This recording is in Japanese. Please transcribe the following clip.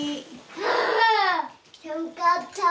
ああ寒かった。